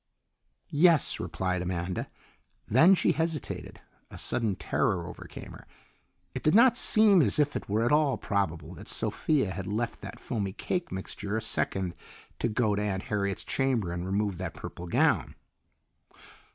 "Yes," replied Amanda. Then she hesitated. A sudden terror overcame her. It did not seem as if it were at all probable that Sophia had left that foamy cake mixture a second to go to Aunt Harriet's chamber and remove that purple gown.